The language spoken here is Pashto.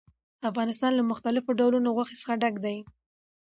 افغانستان له مختلفو ډولونو غوښې څخه ډک دی.